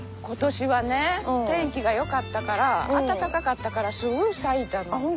今年はね天気がよかったから暖かかったからすぐ咲いたの。